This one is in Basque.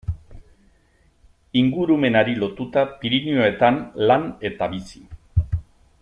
Ingurumenari lotuta Pirinioetan lan eta bizi.